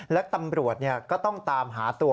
และตำรวจก็ต้องตามหาตัว